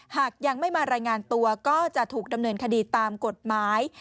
หากยังไม่มารายงานตัวก็จะถูกดำเนินคดีตามกฎหมาย